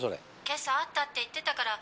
「今朝会ったって言ってたから」